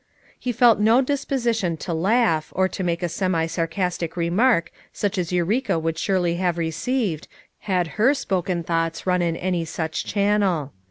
He felt no disposition to laugh, or to make a semi sarcastic remark such as Eureka would surely have received, had her spoken thoughts run in any such channel.